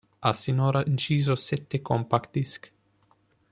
Ha sinora inciso sette Compact Disc.